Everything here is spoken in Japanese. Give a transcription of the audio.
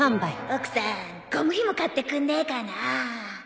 奥さんゴムひも買ってくんねえかな？